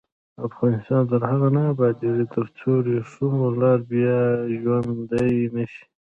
افغانستان تر هغو نه ابادیږي، ترڅو د وریښمو لار بیا ژوندۍ نشي.